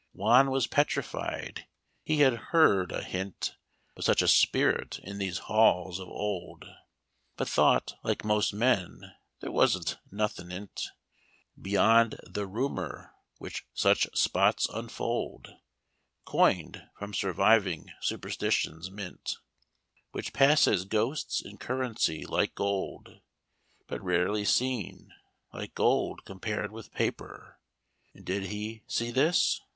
"Juan was petrified; he had heard a hint Of such a spirit in these halls of old, But thought, like most men, there was nothing in't Beyond the rumor which such spots unfold, Coin'd from surviving superstition's mint, Which passes ghosts in currency like gold, But rarely seen, like gold compared with paper. And did he see this?